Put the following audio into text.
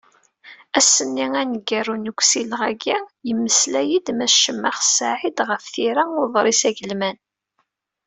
Ass-nni aneggaru n usileɣ-agi, yemmeslay-d Mass Cemmax Saɛid ɣef tira n uḍris agelman.